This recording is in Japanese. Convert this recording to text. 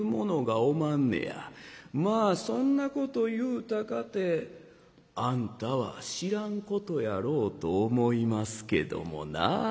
まあそんなこと言うたかてあんたは知らんことやろうと思いますけどもなあ。